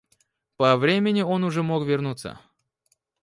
По времени он уже мог вернуться.